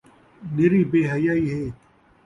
نِری بے حیائی ہِے